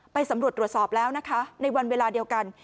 ไปสำรวจตรวจสอบแล้วนะคะในวันเวลาเดียวกัน